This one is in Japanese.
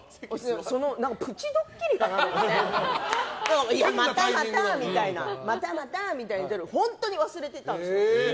プチドッキリかなと思ってまたまたみたいなって言ったら本当に忘れてたんですよ。